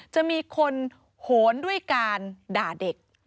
จะมีคนโหนด้วยการด่าเด็ก